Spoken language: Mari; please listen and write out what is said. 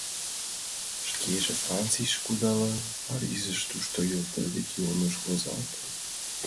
Шкеже Францийыш кудалын, Парижыш, тушто йотэл легионыш возалтын.